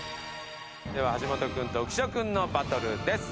では橋本君と浮所君のバトルです。